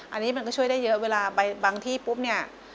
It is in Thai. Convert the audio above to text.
อันนี้มันก็ช่วยได้เยอะเวลาบางที่ปุ๊บเนี่ย